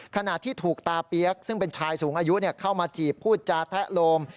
ขณะที่ถูกตาเปี๊ยกซึ่งเป็นชายสูงอายุเข้ามาจีบพูดจาแทะโลม